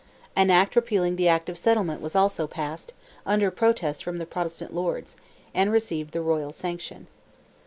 An act repealing the Act of Settlement was also passed, under protest from the Protestant Lords, and received the royal sanction.